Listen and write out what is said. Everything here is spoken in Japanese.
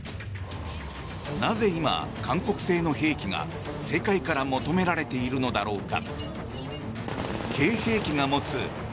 なぜ今、韓国製の兵器が世界から求められているのだろうか。